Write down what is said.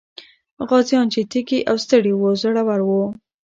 غازيان چې تږي او ستړي وو، زړور وو.